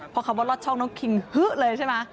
เพราะคำว่าลอดช่องต้องกินเฮอะเลยใช่ไหม